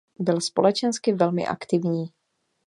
Byl společensky velmi aktivní.